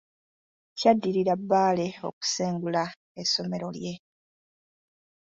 Kyaddirira Bbaale okusengula essomero lye